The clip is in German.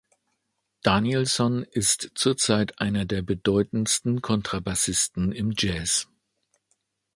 Danielsson ist zurzeit einer der bedeutendsten Kontrabassisten im Jazz.